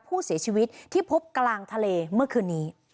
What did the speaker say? ผู้เสียชีวิตที่พบกลางทะเลเมื่อคืนนี้